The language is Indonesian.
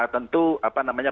tentu apa namanya